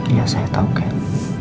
iya saya tahu ken